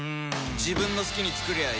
自分の好きに作りゃいい